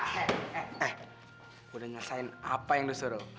sudah nyasain apa yang disuruh